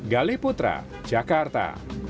gali putra jakarta